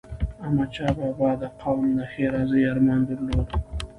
احمدشاه بابا د قوم د ښېرازی ارمان درلود.